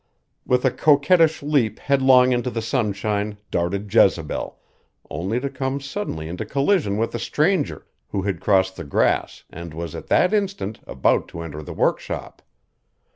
With a coquettish leap headlong into the sunshine darted Jezebel, only to come suddenly into collision with a stranger who had crossed the grass and was at that instant about to enter the workshop.